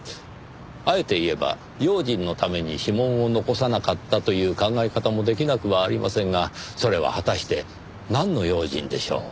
あえて言えば用心のために指紋を残さなかったという考え方も出来なくはありませんがそれは果たしてなんの用心でしょう？